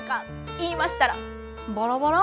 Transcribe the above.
言いましたら「バラバラ？